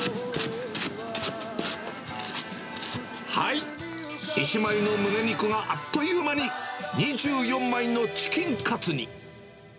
はい、１枚のむね肉があっという間に２４枚のチキンカツに。